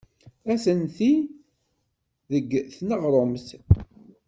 Atenti deg tneɣrumt.